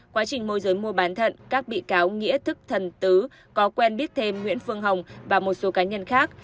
quá trình môi giới mua bán thận các bị cáo nghĩa thức thần tứ có quen biết thêm nguyễn phương hồng và một số cá nhân khác